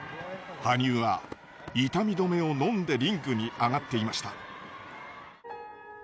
羽生は痛み止めをのんでリンクに上がっていました。